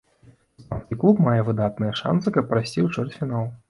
Іспанскі клуб мае выдатныя шанцы, каб прайсці ў чвэрцьфінал.